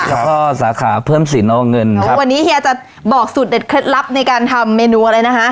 พ่อสาขาเพิ่มสินเอาเงินอ๋อวันนี้เฮียจะบอกสูตรเด็ดเคล็ดลับในการทำเมนูอะไรนะคะ